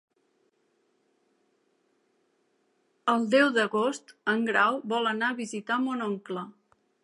El deu d'agost en Grau vol anar a visitar mon oncle.